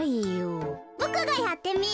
ボクがやってみる。